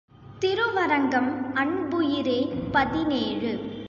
திருவரங்கம் அன்புயிரே பதினேழு.